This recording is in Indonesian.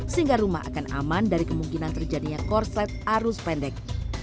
sehingga rumah akan aman dari kemungkinan terjadinya korslet arus pendek